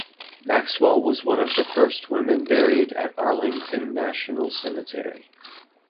Maxwell was one of the first women buried at Arlington National Cemetery.